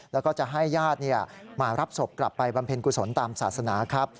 แล้วก็จะให้ญาติมารับศพกลับไปบำเพ็ญกุศลตามศาสนาครับ